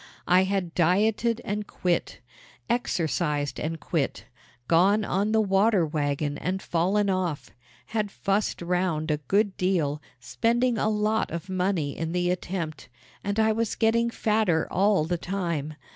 I had dieted and quit; exercised and quit; gone on the waterwagon and fallen off; had fussed round a good deal, spending a lot of money in the attempt, and I was getting fatter all the time.